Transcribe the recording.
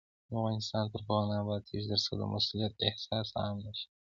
افغانستان تر هغو نه ابادیږي، ترڅو د مسؤلیت احساس عام نشي.